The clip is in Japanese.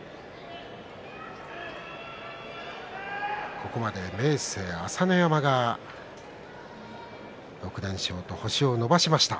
ここまで明生、朝乃山が６連勝と星を伸ばしました。